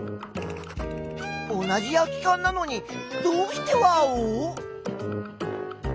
同じ空きかんなのにどうしてワオ？